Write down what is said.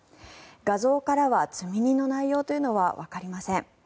画像からは積み荷の内容というのはわかりません。